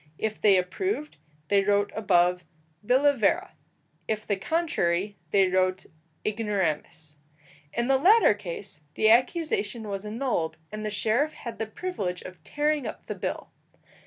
If they approved, they wrote above, billa vera; if the contrary, they wrote ignoramus. In the latter case the accusation was annulled, and the sheriff had the privilege of tearing up the bill.